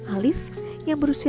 alif yang berusia